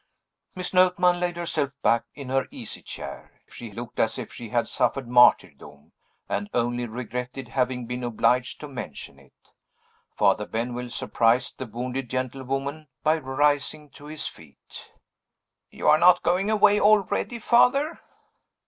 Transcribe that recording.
Miss Notman laid herself back in her easy chair she looked as if she had suffered martyrdom, and only regretted having been obliged to mention it. Father Benwell surprised the wounded gentlewoman by rising to his feet. "You are not going away already, Father?"